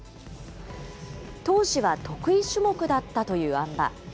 当時は得意種目だったというあん馬。